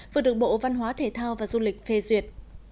vừa được bộ văn hóa thể thao và du lịch phê duyệt